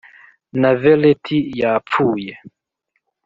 na velheti yapfuye.